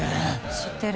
知ってる。